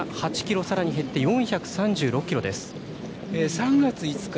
３月５日